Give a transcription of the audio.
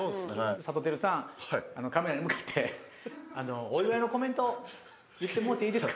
サトテルさんカメラに向かってお祝いのコメント言ってもろていいですか。